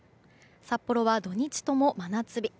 札幌は土日とも真夏日。